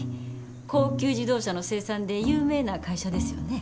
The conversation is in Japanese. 高級自動車の生産で有名な会社ですよね。